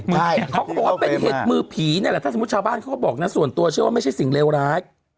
เขาก็พูดว่าเป็นเหตุมือผีถ้าสมมุติชาวบ้านส่วนตัวเชื่อว่าไม่ใช่สิ่งเลวร้าย